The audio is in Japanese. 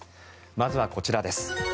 まずは、こちらです。